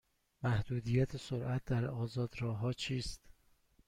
محدودیت سرعت در آزاد راه ها چیست؟